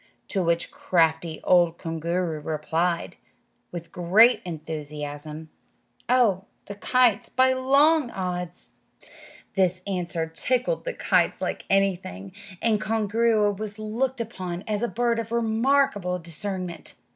To which crafty old Koongooroo replied, with great enthusiasm, "Oh, the kites, by long odds!" This answer tickled the kites like anything, and Koongooroo was looked upon as a bird of remarkable discernment.